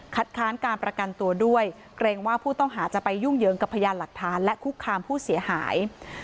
ค้านการประกันตัวด้วยเกรงว่าผู้ต้องหาจะไปยุ่งเหยิงกับพยานหลักฐานและคุกคามผู้เสียหาย